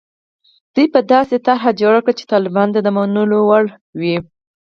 دوی به داسې طرح جوړه کړي چې طالبانو ته د منلو وړ وي.